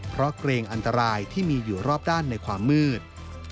เพราะเกรงอันตรายที่มีอยู่รอบด้านในความมืด